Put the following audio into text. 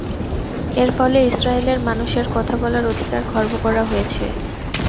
এর ফলে ইসরায়েলের মানুষের কথা বলার অধিকার খর্ব করা হয়েছে।